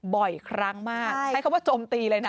บ่อยครั้งมากใช้คำว่าโจมตีเลยนะ